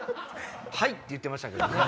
「はい」って言ってましたけどね